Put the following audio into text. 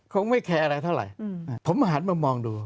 คงไม่แคร์อะไรเท่าไหร่ผมหันมามองดู